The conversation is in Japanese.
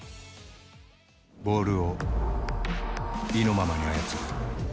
ボールを意のままに操る。